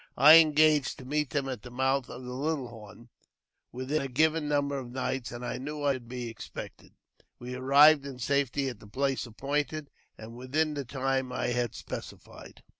I engaged meet them at the mouth of the Little Horn within a giv] number of nights, and I knew I should be expected, arrived in safety at the place appointed, and within the time had specified.